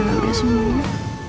ya udah semua